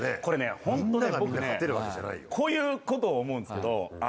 これねホント僕ねこういうことを思うんですけど。